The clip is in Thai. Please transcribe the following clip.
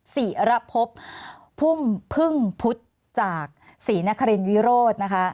ศิระพบพุ่มพึ่งพุทธจากศรีนครินวิโรธนะคะ